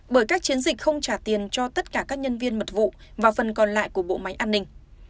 bởi các chiến dịch không trả tiền cho tất cả các nhân viên mật vụ và phần còn lại của bộ máy an ninh